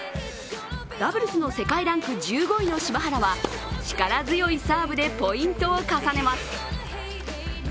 ダブルスの世界ランク１５位の柴原は力強いサーブでポイントを重ねます。